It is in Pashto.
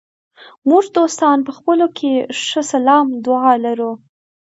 موږ دوستان په خپلو کې ښه سلام دعا لرو.